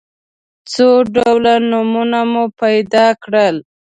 څو ډوله نومونه مو پیدا کړل.